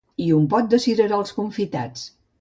I un pot de cirerols confitats